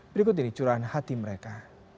berikut ini curahan hati mereka